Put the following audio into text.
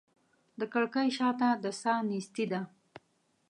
د کړکۍ شاته د ساه نیستي ده